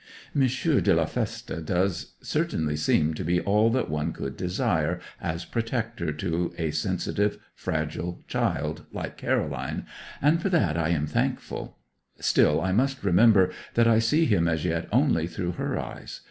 M. de la Feste does certainly seem to be all that one could desire as protector to a sensitive fragile child like Caroline, and for that I am thankful. Still, I must remember that I see him as yet only through her eyes.